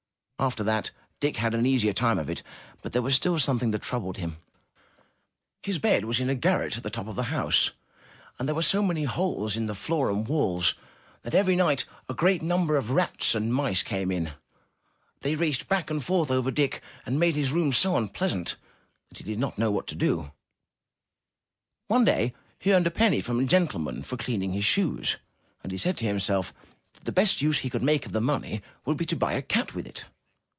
After that, Dick had an easier time of it; but there was still something else that troubled him. 33^ UP ONE PAIR OF STAIRS His bed was in a garret at the top of the house, and there were so many holes in the floor and walls, that every night a great number of rats and mice came in. They raced back and forth over Dick, and made his room so unpleasant that he did not know what to do. One day he earned a penny from a gentleman for cleaning his shoes, and he said to himself that the best use he could make of the money would be to buy a cat with it.